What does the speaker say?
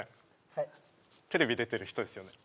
はいテレビ出てる人ですよね？